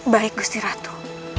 baik gusti ratu